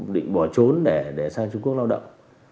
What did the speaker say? định bỏ trốn để sang trung quốc lao động